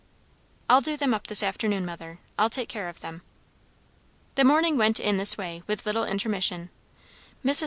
"I'll do them up this afternoon, mother. I'll take care of them." The morning went in this way, with little intermission. Mrs.